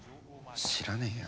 知らねえよ。